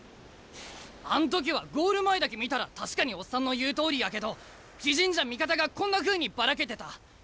あん時はゴール前だけ見たら確かにオッサンの言うとおりやけど自陣じゃ味方がこんなふうにばらけてた。